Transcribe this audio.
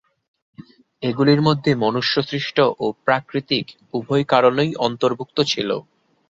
এগুলির মধ্যে মনুষ্যসৃষ্ট ও প্রাকৃতিক উভয় কারণই অন্তর্ভুক্ত ছিল।